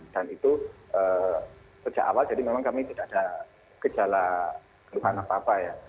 dan itu sejak awal jadi memang kami tidak ada gejala kebukaan apa apa ya